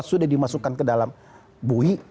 sudah dimasukkan ke dalam bui